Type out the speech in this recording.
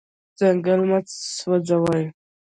ځنګل مه سوځوئ.